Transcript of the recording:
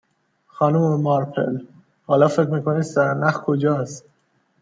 خانم مارپل، حالا فکر می کنی سر نخ کجاست؟